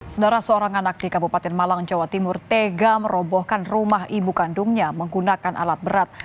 saudara seorang anak di kabupaten malang jawa timur tega merobohkan rumah ibu kandungnya menggunakan alat berat